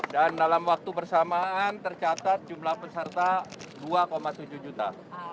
dan dalam waktu bersamaan tercatat jumlah peserta dua tujuh juta